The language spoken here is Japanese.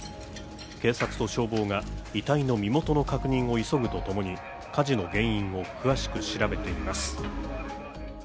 警察と消防が、遺体の身元の確認を急ぐとともに火事の原因を詳しく調べています。